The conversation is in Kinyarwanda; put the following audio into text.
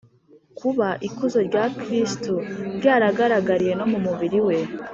kuba ikuzo rya kristu ryaragaragariye no mu mubiri we